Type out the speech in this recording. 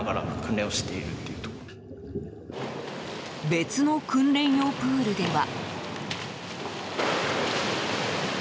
別の訓練用プールでは。